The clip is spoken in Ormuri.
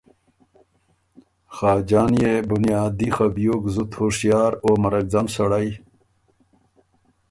خاجان يې بُنیادي خه بيوک زُت هُشیار او مرکځن سړئ۔